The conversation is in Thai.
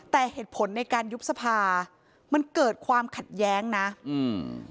แต่เหตุผลในการยุบสภามันเกิดความขัดแย้งนะอืม